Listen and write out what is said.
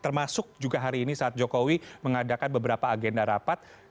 termasuk juga hari ini saat jokowi mengadakan beberapa agenda rapat